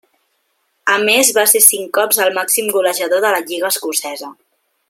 A més va ser cinc cops el màxim golejador de la lliga escocesa.